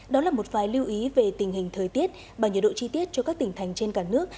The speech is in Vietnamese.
đó là một vài lưu ý về tình hình thời tiết và nhiệt độ chi tiết cho các tỉnh thành trên cả nước